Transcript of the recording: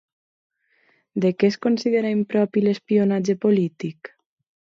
De què es considera impropi l'espionatge polític?